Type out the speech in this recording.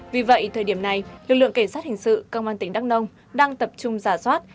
vì vậy thời điểm này lực lượng cảnh sát hình sự công an tỉnh đắk nông đang tập trung giả soát